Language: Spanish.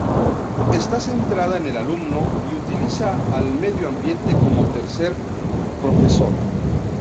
Esta centrada en el alumno y utiliza al medio ambiente como tercer profesor.